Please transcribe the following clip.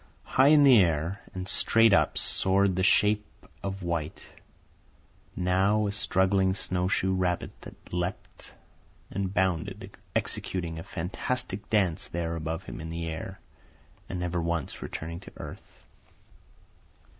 High in the air, and straight up, soared the shape of white, now a struggling snowshoe rabbit that leaped and bounded, executing a fantastic dance there above him in the air and never once returning to earth.